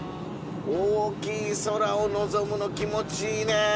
大きい空を望むの気持ちいいね。